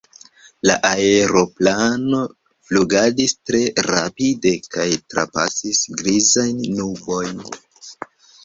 La aeroplano flugadis tre rapide kaj trapasis grizajn nubojn.